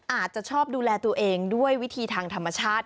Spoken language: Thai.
อาจจะชอบดูแลตัวเองด้วยวิธีทางธรรมชาติ